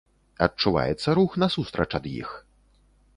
Адчуваецца рух насустрач ад іх.